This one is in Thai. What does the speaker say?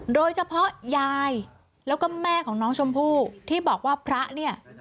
โดยเฉพาะยายแล้วก็แม่ของน้องชมพู่ที่บอกว่าพระเนี่ย